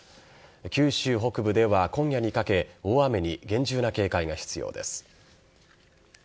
九州北部では今夜にかけ大雨に厳重な警戒が必要です。